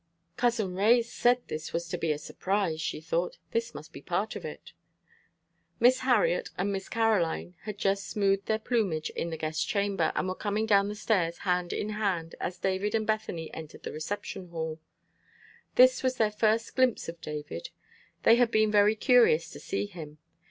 "Cousin Ray said this was to be a surprise," she thought. "This must be part of it." Miss Harriet and Miss Caroline had just smoothed their plumage in the guest chamber, and were coming down the stairs hand in hand as David and Bethany entered the reception hall. This was their first glimpse of David. They had been very curious to see him.